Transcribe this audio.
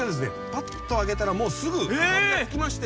パッと上げたらもうすぐ明かりがつきまして。